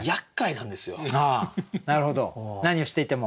なるほど何をしていても。